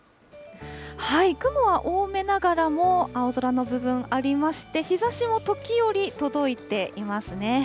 雲は多めながらも、青空の部分ありまして、日ざしも時折届いていますね。